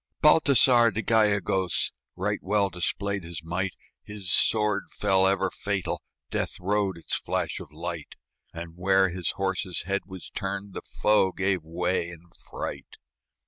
Baltasar de Gallegos Right well displayed his might; His sword fell ever fatal, Death rode its flash of light; And where his horse's head was turned The foe gave way in fright.